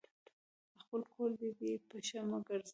خپل کور دي دی ، پښه مه ګرځوه !